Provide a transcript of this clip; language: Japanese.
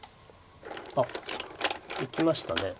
あっいきました。